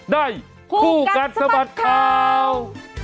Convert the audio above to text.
ได้คู่กันสมัสข่าว